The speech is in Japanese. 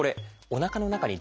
おなかの中に？